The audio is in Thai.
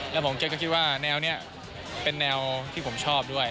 แล้วผมแกก็คิดว่าแนวนี้เป็นแนวที่ผมชอบด้วย